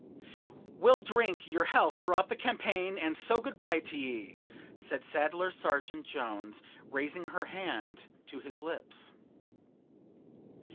'We'll drink your health throughout the campaign, and so good bye t'ye,' said Saddler sergeant Jones, raising her hand to his lips.